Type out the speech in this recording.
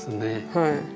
はい。